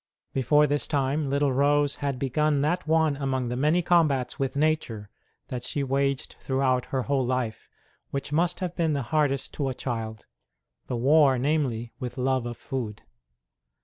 Before this time little Rose had begun that one among the many combats with nature that she waged throughout her whole life which must have been the hardest to a child the war, namely, with love of food.